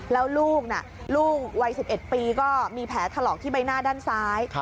แล้วลูกลูกวัย๑๑ปีก็มีแผลถลอกที่ใบหน้าด้านซ้าย